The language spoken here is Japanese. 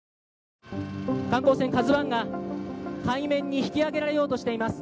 「観光船ＫＡＺＵⅠが海面に引き揚げられようとしています」